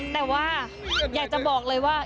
แต่ว่าอยากจะบอกเลยว่า